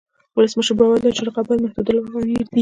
ولسمشر باور درلود چې رقابت محدودول اړین دي.